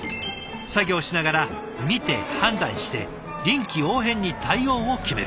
作業しながら見て判断して臨機応変に対応を決める。